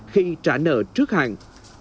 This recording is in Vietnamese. khi trả nợ trước hàng